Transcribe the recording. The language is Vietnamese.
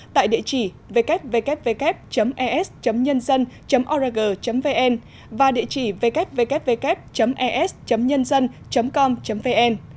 tại địa chỉ www es nhân dân org vn và địa chỉ ww es nhân dân com vn